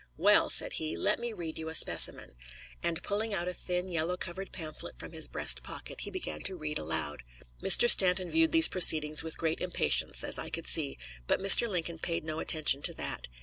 "Well," said he, "let me read you a specimen"; and, pulling out a thin yellow covered pamphlet from his breast pocket, he began to read aloud. Mr. Stanton viewed these proceedings with great impatience, as I could see, but Mr. Lincoln paid no attention to that.